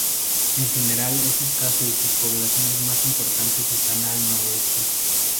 En general es escaso y sus poblaciones más importantes están en el noroeste.